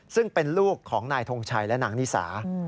ซึ่งเป็นลูกของนายทงชัยและนางนิสา